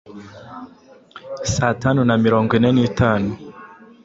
Saa tanu na mirongo ine nitanu